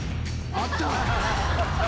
あった！